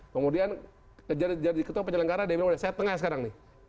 kemudian jadi ketua penyelenggara dia bilang saya tengah sekarang nih